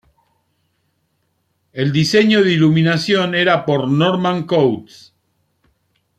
El diseño de iluminación era por Norman Coates.